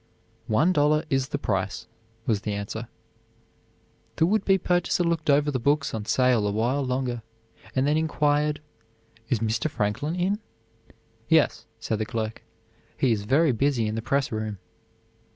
"One dollar is the price," was the answer. The would be purchaser looked over the books on sale a while longer, and then inquired: "Is Mr. Franklin in?" "Yes," said the clerk, "he is very busy in the press room."